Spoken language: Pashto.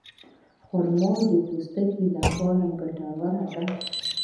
خرما د پوستکي لپاره ګټوره ده.